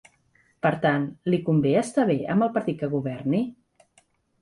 Per tant, li convé estar bé amb el partit que governi?